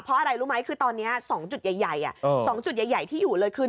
เพราะอะไรรู้ไหมคือตอนนี้๒จุดใหญ่๒จุดใหญ่ที่อยู่เลยคือ